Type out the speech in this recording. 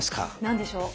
何でしょう？